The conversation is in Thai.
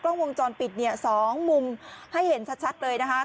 กล้องวงจรปิดเนี่ย๒มุมให้เห็นชัดเลยนะคะ